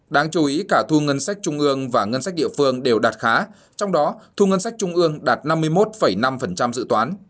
đáng chú ý cả thu ngân sách trung ương và ngân sách địa phương đều đạt khá trong đó thu ngân sách trung ương đạt năm mươi một năm dự toán